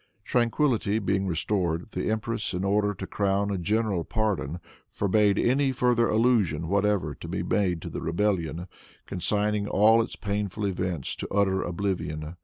Tranquillity being restored, the empress, in order to crown a general pardon, forbade any further allusion whatever to be made to the rebellion, consigning all its painful events to utter oblivion.